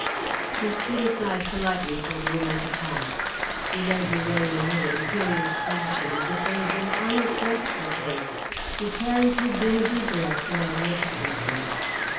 He stood aside politely for the woman to pass. She led the way in her imperious fashion as if they had been honoured guests of hers. She carried her dingy dress magnificently.